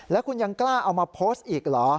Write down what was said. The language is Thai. แล้วคุณยังกล้าเอามาโพสต์อีกเหรอ